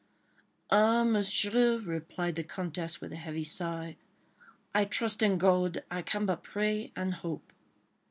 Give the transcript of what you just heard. "Ah, Monsieur," replied the Comtesse, with a heavy sigh, "I trust in God—I can but pray—and hope